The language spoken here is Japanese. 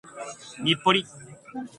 日暮里